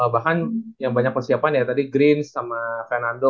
bahkan yang banyak persiapan ya tadi greens sama fernando